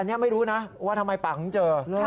เธอไม่รู้นะว่าทำไมปากเจอ